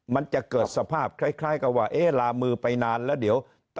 มันจะเกิดสภาพคล้ายกับว่าลามือไปนานแล้วเดี๋ยว